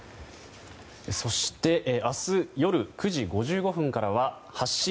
そして明日夜９時５５分からは「発進！